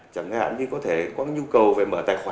chẳng hạn như có thể có nhu cầu về mở tài khoản